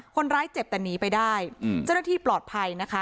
คนร้ายเจ็บแต่หนีไปได้เจ้าหน้าที่ปลอดภัย